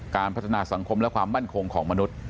การพัฒนาสังคมและความมั่นคงของมนุษย์